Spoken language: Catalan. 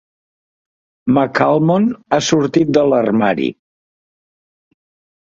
McAlmont ha sortit de l'armari.